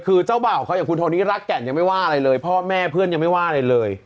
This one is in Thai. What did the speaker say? คือเจ้าบ่าวเขาอย่างคุณโทนี่รักแก่นยังไม่ว่าอะไรเลยพ่อแม่เพื่อนยังไม่ว่าอะไรเลย